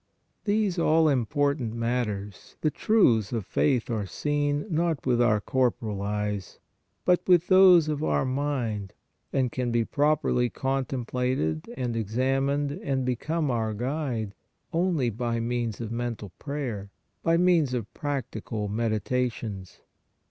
These all important matters, the truths of faith are seen, not with our corporal eyes, but with those of our mind and can be properly con templated and examined and become our guide only by means of mental prayer, by means of practical meditations.